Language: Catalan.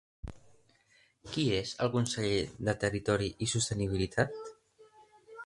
Qui és el conseller de Territori i Sostenibilitat?